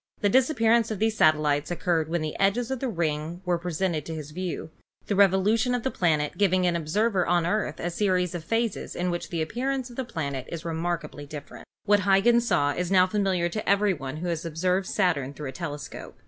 The disap pearance of these satellites occurred when the edge of the ring was presented to his view, the revolution of the planet giving to an observer on the Earth a series of phases in which the appearance of the planet is remark ably different. What Huygens saw is now familiar to every one who has observed Saturn through a telescope.